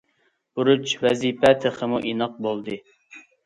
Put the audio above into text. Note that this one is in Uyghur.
بۇرچ، ۋەزىپە تېخىمۇ ئېنىق بولدى.